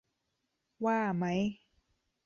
ว่ามั้ย